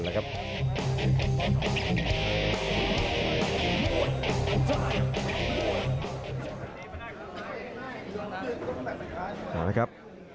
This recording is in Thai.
ยกที่๒ครับ